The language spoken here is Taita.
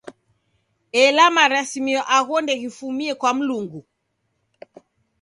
Ela marisimio agho ndeghifumie kwa Mlungu.